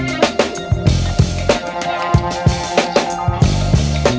nggak ada yang denger